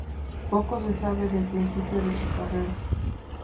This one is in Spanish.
Poco se sabe del principio de su carrera.